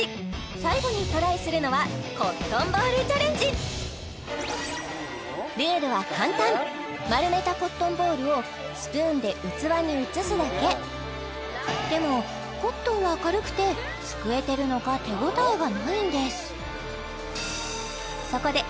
最後にトライするのはルールは簡単丸めたコットンボールをスプーンで器に移すだけでもコットンは軽くてすくえてるのか手応えがないんです